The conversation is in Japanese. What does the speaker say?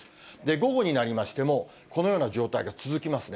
午後になりましても、このような状態が続きますね。